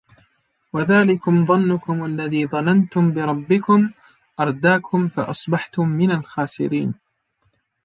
وَذلِكُم ظَنُّكُمُ الَّذي ظَنَنتُم بِرَبِّكُم أَرداكُم فَأَصبَحتُم مِنَ الخاسِرينَ